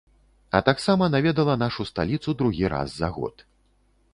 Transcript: А таксама наведала нашу сталіцу другі раз за год.